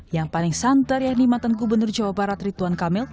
yang paling santer yakni mantan gubernur jawa barat rituan kamil